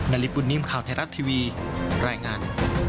นาริปุ่นนิ่มข่าวไทยรัฐทีวีรายงาน